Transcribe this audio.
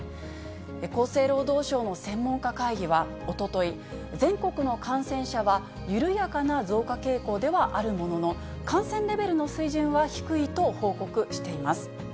厚生労働省の専門家会議はおととい、全国の感染者は、緩やかな増加傾向ではあるものの、感染レベルの水準は低いと報告しています。